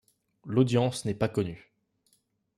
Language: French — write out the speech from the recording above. L'audience n'est pas connue.